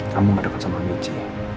kamu gak deket sama biji